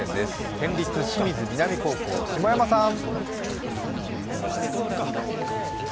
県立清水南高校、下山さん。